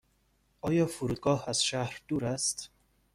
آیا فرودگاه از شهر دور است؟